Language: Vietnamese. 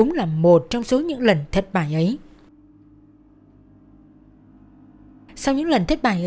nhà lầu xe hơi nhiễm